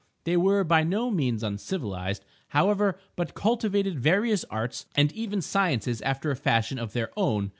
They were by no means uncivilized, however, but cultivated various arts and even sciences after a fashion of their own.